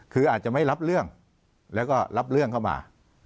คืออาจจะไม่รับเรื่องแล้วก็รับเรื่องเข้ามา